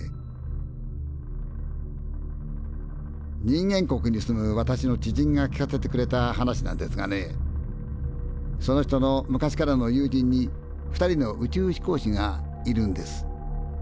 人間国に住む私の知人が聞かせてくれた話なんですがねその人の昔からの友人に２人の宇宙飛行士がいるんです。